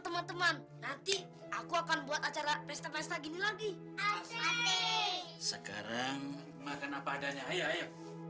teman teman nanti aku akan buat acara pesta pesta gini lagi sekarang makan apa adanya ayo